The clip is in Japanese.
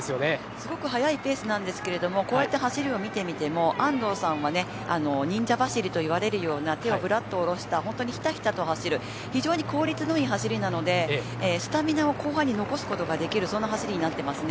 すごく速いペースなんですけどこうやって走りを見てみても安藤さんは忍者走りといわれるような手をぶらっとおろした本当にひたひたと走る非常に効率のいい走りなのでスタミナを後半に残すことができるそんな走りになってますので。